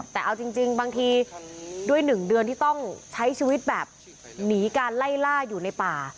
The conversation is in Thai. แต่เอาจริงบางทีด้วย๑เดือนที่ต้องใช้ชีวิตแบบหนีการไล่ล่าอยู่ในป่า